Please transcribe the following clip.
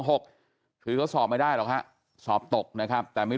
หกคือเขาสอบไม่ได้หรอกฮะสอบตกนะครับแต่ไม่รู้